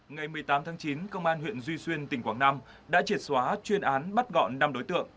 ngày một mươi tám tháng chín công an huyện duy xuyên tỉnh quảng nam đã triệt xóa chuyên án bắt gọn năm đối tượng